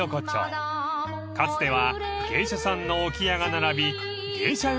［かつては芸者さんの置き屋が並び］